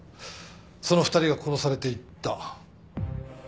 その２人が殺されていった。